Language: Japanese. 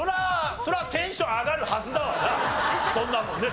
それはテンション上がるはずだわなそんなもんね。